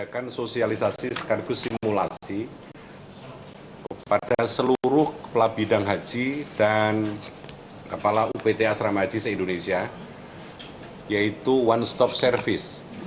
kepala upt asrama haji se indonesia yaitu one stop service